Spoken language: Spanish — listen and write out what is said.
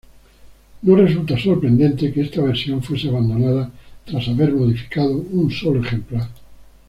No resulta sorprendente que esta versión fuese abandonada tras haber modificado un solo ejemplar.